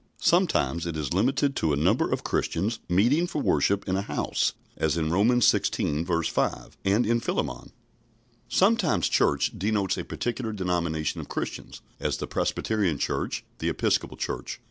Sometimes it is limited to a number of Christians meeting for worship in a house, as in Romans xvi. 5 and in Philemon. Sometimes "Church" denotes a particular denomination of Christians, as the Presbyterian Church, the Episcopal Church.